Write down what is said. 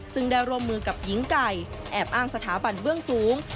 ซึ่งได้ร่วมมือกับหญิงไก่แอบอ้างสถาบันเบื้องสูง